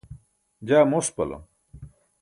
jaa mospalam